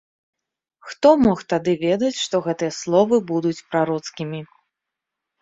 Хто мог тады ведаць, што гэтыя словы будуць прароцкімі.